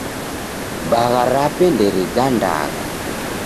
Bagha rape nderigandagha.